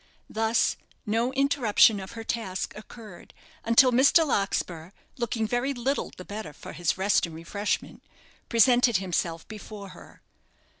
Thus no interruption of her task occurred, until Mr. Larkspur, looking very little the better for his rest and refreshment, presented himself before her.